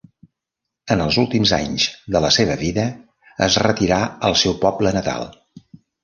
En els últims anys de la seva vida es retirà al seu poble natal.